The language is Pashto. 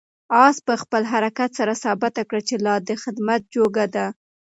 آس په خپل حرکت سره ثابته کړه چې لا د خدمت جوګه دی.